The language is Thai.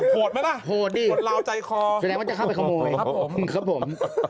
ครับผม